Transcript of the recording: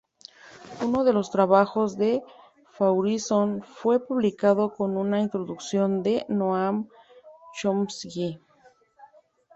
Uno de los trabajos de Faurisson fue publicado con una introducción de Noam Chomsky.